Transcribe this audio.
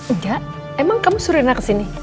enggak emang kamu suruh reina kesini